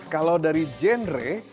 kalau dari genre